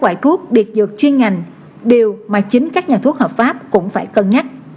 loại thuốc biệt dược chuyên ngành điều mà chính các nhà thuốc hợp pháp cũng phải cân nhắc